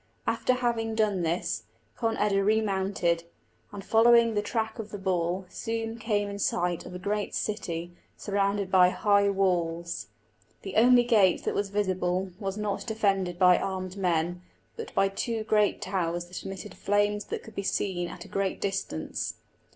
After having done this, Conn eda remounted, and following the track of the ball, soon came in sight of a great city surrounded by high walls. The only gate that was visible was not defended by armed men, but by two great towers that emitted flames that could be seen at a great distance.